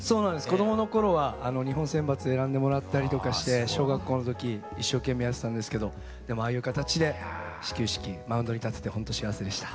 子供の頃は日本選抜選んでもらったりとかして小学校の時一生懸命やってたんですけどでもああいう形で始球式マウンドに立ててほんと幸せでした。